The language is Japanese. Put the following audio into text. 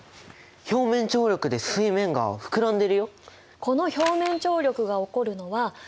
表面張力で水面が膨らんでるよ！